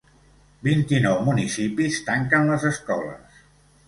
Vint-i-nou municipis tanquen les escoles